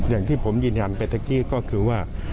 อย่างที่ผมยืนยันไปเมื่อกี้ก็คือว่า